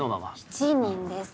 ７人です